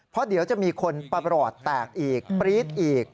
เพราะเดี๋ยวจะมีคนประหลอดแตกอีกปรี๊ดอีก